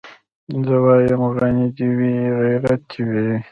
زه وايم غني دي وي غيرت دي وي